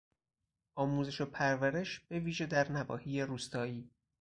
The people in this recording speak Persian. آموزش و پرورش به ویژه در نواحی روستایی...